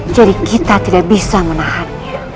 jadi kita tidak bisa menahan